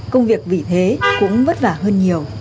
công việc vì thế cũng vất vả hơn